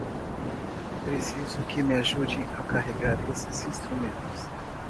Preciso que me ajude a carregar estes instrumentos.